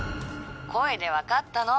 声で分かったの。